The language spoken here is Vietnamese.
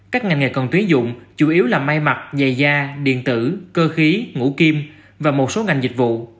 các ngành nghề cần tuyến dụng chủ yếu là may mặt dày da điện tử cơ khí ngũ kim và một số ngành dịch vụ